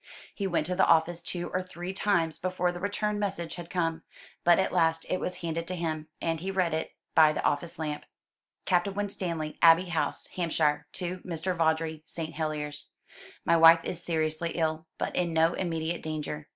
He went to the office two or three times before the return message had come; but at last it was handed to him, and he read it by the office lamp: "Captain Winstanley, Abbey House, Hampshire, to Mr. Vawdrey, St. Heliers. "My wife is seriously ill, but in no immediate danger.